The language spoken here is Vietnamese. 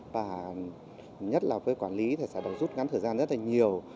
và nhất là với quản lý sẽ đồng dụng ngắn thời gian rất nhiều